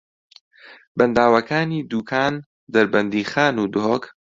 بەنداوەکانی دووکان، دەربەندیخان و دهۆک